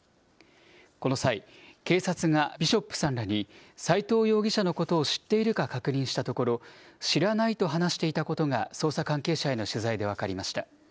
この際、警察がビショップさんらに斎藤容疑者のことを知っているか確認したところ、知らないと話していたことが捜査関係者への取材で分かりました。